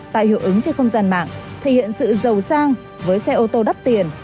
tài hiệu ứng trên không gian mạng thể hiện sự giàu sang với xe ô tô đắt tiền